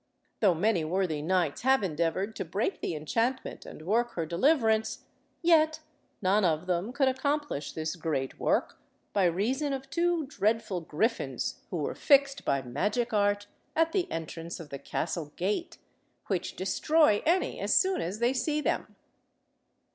Though many worthy knights have endeavoured to break the enchantment and work her deliverance, yet none of them could accomplish this great work, by reason of two dreadful griffins who were fixed by magic art at the entrance of the castle gate, which destroy any as soon as they see them.